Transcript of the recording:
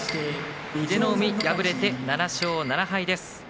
英乃海、敗れて７勝７敗です。